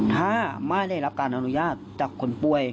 ถ้าไม่ได้รับการอนุญาตจากคนป่วย